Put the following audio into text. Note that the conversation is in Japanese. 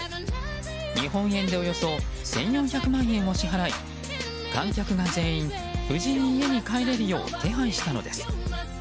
日本円でおよそ１４００万円を支払い観客が全員、無事に家に帰れるよう手配したのです。